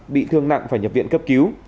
bị thương nặng phải nhập viện cấp cứu